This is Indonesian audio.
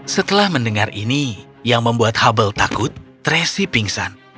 setelah mendengar ini yang membuat hubble takut tracy pingsan